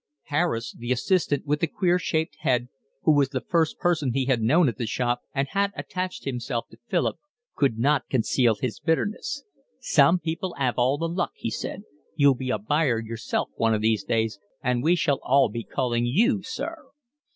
Harris, the assistant with the queer shaped head, who was the first person he had known at the shop and had attached himself to Philip, could not conceal his bitterness. "Some people 'ave all the luck," he said. "You'll be a buyer yourself one of these days, and we shall all be calling you sir."